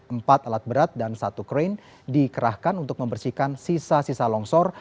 empat alat berat dan satu krain dikerahkan untuk membersihkan sisa sisa longsor